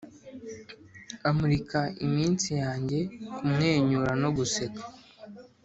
amurika iminsi yanjye kumwenyura no guseka.